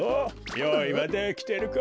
よういはできてるか？